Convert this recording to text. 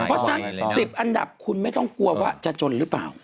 เพราะฉะนั้น๑๐อันดับคุณไม่ต้องกลัวว่าจะจนหรือเปล่า